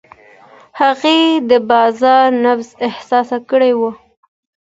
هغې د بازار نبض احساس کړی و.